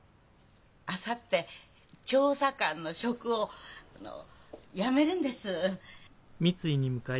あさって調査官の職をあの辞めるんです。